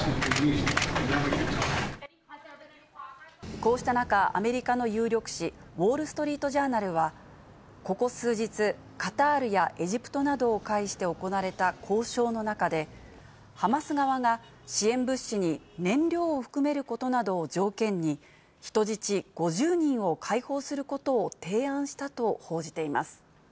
こうした中、アメリカの有力紙、ウォールストリートジャーナルは、ここ数日、カタールやエジプトなどを介して行われた交渉の中で、ハマス側が支援物資に燃料を含めることなどを条件に、人質５０人を解放することを提案したと報じています。